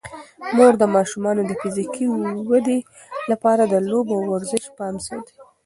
مور د ماشومانو د فزیکي ودې لپاره د لوبو او ورزش پام ساتي.